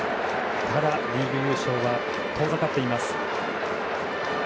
ただ、リーグ優勝は遠ざかっています。